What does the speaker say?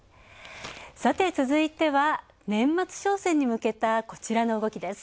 さて続いては、年末商戦にむけたこちらの動きです。